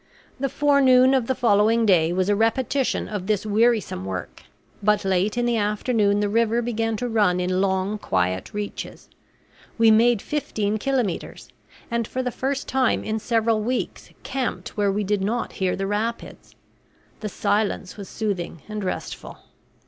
The forenoon of the following day was a repetition of this wearisome work; but late in the afternoon the river began to run in long quiet reaches. We made fifteen kilometres, and for the first time in several weeks camped where we did not hear the rapids. The silence was soothing and restful.